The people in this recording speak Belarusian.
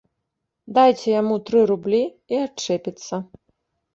Дайце яму тры рублі, і адчэпіцца.